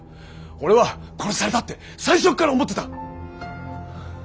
俺は殺されたって最初から思ってた。